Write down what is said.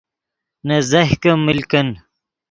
نے زیہکے مل کن